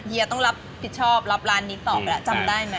เยีต้องรับผิดชอบรับร้านนี้ต่อไปแล้วจำได้ไหม